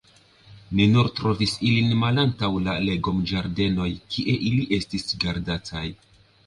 Ni nur trovis ilin malantaŭ la legomĝardenoj, kie ili estis gardataj.